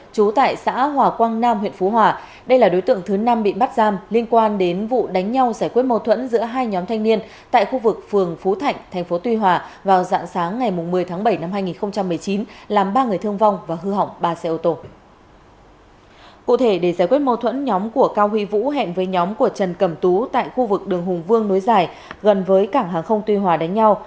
cụ thể để giải quyết mâu thuẫn nhóm của cao huy vũ hẹn với nhóm của trần cẩm tú tại khu vực đường hùng vương nối giải gần với cảng hàng không tuy hòa đánh nhau